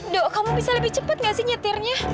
dok kamu bisa lebih cepat gak sih nyetirnya